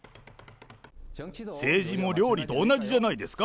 政治も料理と同じじゃないですか？